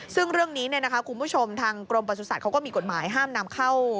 ซึ่งเรื่องนี้คุณผู้ชมทางกรมประสุทธิ์เขาก็มีกฎหมายห้ามนำเข้า